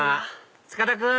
塚田君！